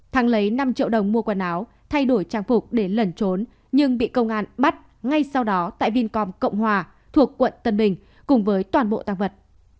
thắng lấy năm triệu đồng mua quần áo thay đổi trang phục để lẩn trốn nhưng bị công an bắt ngay sau đó tại vincom cộng hòa thuộc quận tân bình cùng với toàn bộ tăng vật